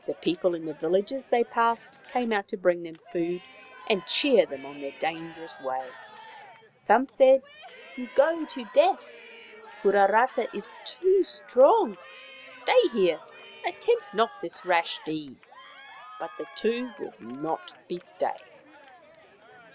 The people in the villages they passed came out to bring them food and cheer them on their dangerous way. Some said :" You go to death. Puarata is too strong. Stay here. Attempt not this rash deed." But the two would not be stayed.